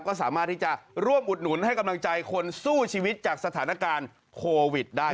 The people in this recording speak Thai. ก็สามารถที่จะร่วมอุดหนุนให้กำลังใจคนสู้ชีวิตจากสถานการณ์โควิดได้